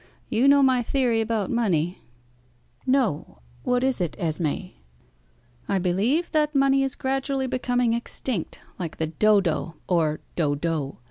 You know my theory about money." "No; what is it, Esmé?" "I believe that money is gradually becoming extinct, like the Dodo or 'Dodo.'